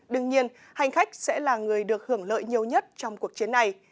đương nhiên hành khách sẽ là người được hưởng lợi nhiều nhất trong cuộc chiến này